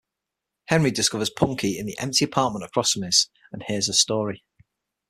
Henry discovers Punky in the empty apartment across from his, and hears her story.